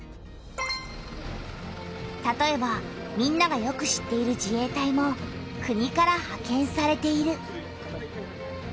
たとえばみんながよく知っている自衛隊も国からはけんされている。